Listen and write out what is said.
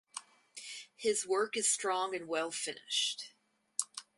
His work is strong and well finished.